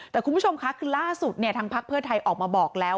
แต่คุณผู้ชมค่ะคือล่าสุดทางพักเพื่อไทยออกมาบอกแล้ว